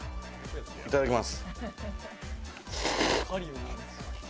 いただきます。